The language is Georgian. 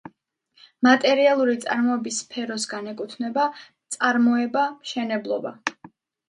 მატერიალური წარმოების სფეროს განეკუთვნება: წარმოება, მშენებლობა.